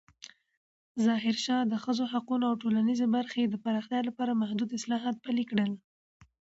ظاهرشاه د ښځو حقونو او ټولنیزې برخې د پراختیا لپاره محدود اصلاحات پلې کړل.